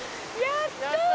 やった。